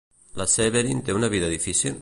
La Séverine té una vida difícil?